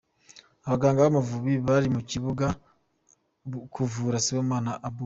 Abaganga b’Amavubi bari mu kibuga kuvura Sibomana Abuba.